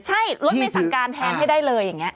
ใช่รถไม่สั่งการแทนให้ได้เลยอย่างนี้